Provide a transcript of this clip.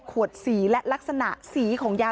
ขวดสีและลักษณะสีของยา